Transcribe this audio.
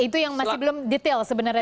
itu yang masih belum detail sebenarnya